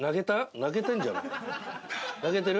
泣けてる？